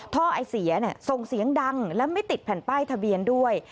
ท่อไอเสียส่งเสียงดังและไม่ติดแผ่นป้ายทะเบียนด้วย